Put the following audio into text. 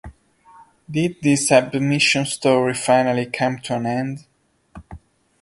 Did this submission story finally come to an end?